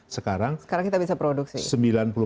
sekarang kita bisa produksi